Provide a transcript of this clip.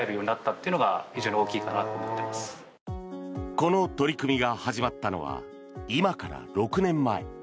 この取り組みが始まったのは今から６年前。